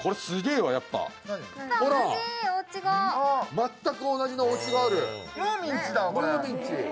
全く同じおうちがある。